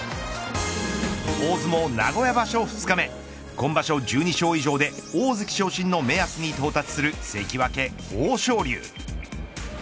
大相撲名古屋場所二日目今場所、１２勝以上で大関昇進の目安に到達する関脇、豊昇龍。